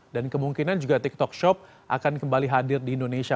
dan kemungkinan juga tiktok shop akan kembali hadir di indonesia